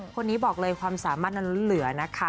คนนี้บอกเลยความสามารถนั้นเหลือนะคะ